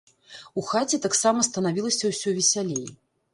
У хаце таксама станавілася ўсё весялей.